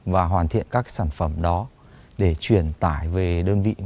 và hoàn thiện các sản phẩm đó để truyền tải về đơn vị